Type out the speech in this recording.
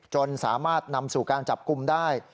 จนสามารถนำสู่การจับกลุ่มได้